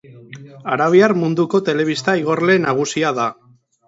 Arabiar munduko telebista igorle nagusia da.